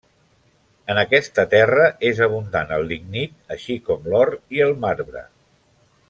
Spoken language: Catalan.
En aquesta terra és abundant el lignit, així com l'or i el marbre.